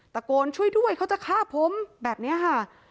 ตะโกนช่วยด้วยเขาจะฆ่าผมแบบนี้ค่ะ